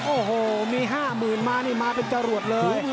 โอ้โหมี๕๐๐๐๐บาทมาเนี่ยมาเป็นจรวด